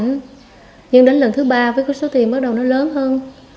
nhưng đến lần thứ ba với cái số tiền bắt đầu nó lớn hơn